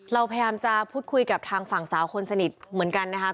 เราพยายามจะพูดคุยกับทางฝั่งสาวคนสนิทเหมือนกันนะครับ